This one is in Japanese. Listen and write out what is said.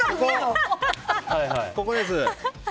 ここです！